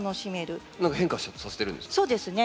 何か変化させてるんですか？